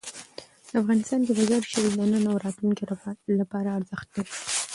افغانستان کې مزارشریف د نن او راتلونکي لپاره ارزښت لري.